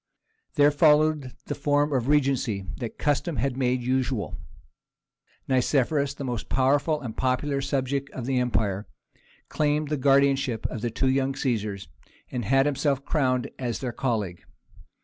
There followed the form of regency that custom had made usual. Nicephorus, the most powerful and popular subject of the empire, claimed the guardianship of the two young Caesars, and had himself crowned as their colleague.